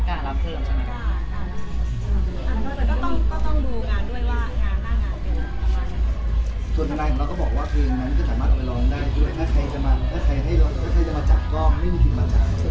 ที่หมายถึงว่าธนายของเราไม่มีผิดปัญหา